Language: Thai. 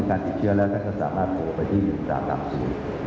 แล้วก็สามารถที่จะติดต่อ